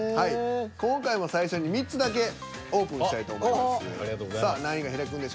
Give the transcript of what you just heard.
今回も最初に３つだけオープンしたいと思います。